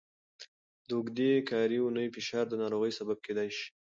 د اوږدې کاري اونۍ فشار د ناروغۍ سبب کېدای شي.